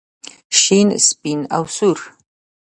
شین سپین او سور.